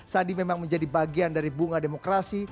sandi memang menjadi bagian dari bunga demokrasi